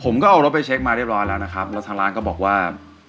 แล้วทางร้านก็บอกว่า